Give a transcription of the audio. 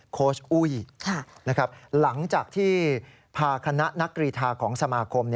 โค้ชอุ้ยหลังจากที่พาคณะนักกรีธาของสมาคม